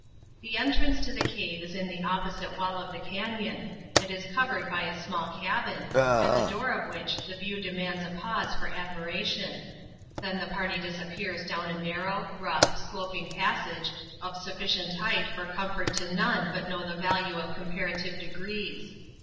The entrance to the cave is in the opposite wall of the cañon, and is covered by a small cabin, at the door of which the view demands a pause for admiration; then the party disappears down a narrow, rough, sloping passage of sufficient height for comfort to none but know the value of comparative degrees.